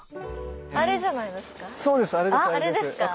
あれじゃないですか？